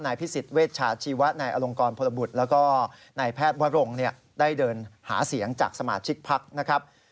พิสิทธิเวชชาชีวะนายอลงกรพลบุตรแล้วก็นายแพทย์วรงค์ได้เดินหาเสียงจากสมาชิกพักนะครับ